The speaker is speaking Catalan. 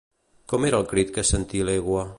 Com era el crit que sentí l'egua?